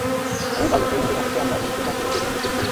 আগামী পাঁচ বছরের মধ্যে ঢাকাকে আমরা ভবিষ্যৎ বংশধরদের জন্য ক্লিন করব।